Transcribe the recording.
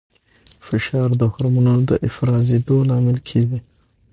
فشار د هورمونونو د افرازېدو لامل کېږي.